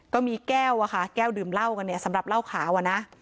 ก็มีแก้วอะค่ะแก้วดื่มเหล้ากันเนี่ยสำหรับเหล้าขาวอ่ะนะ